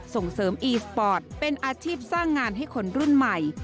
ส่งเสริมอีสปอร์ตเป็นอาชีพสร้างงานให้คนรุ่นใหม่